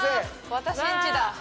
私んちだ。